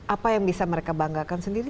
apa yang bisa mereka banggakan sendiri